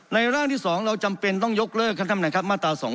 ในร่างที่สองเราจำเป็นต้องยกเลิกมาตรา๒๗๙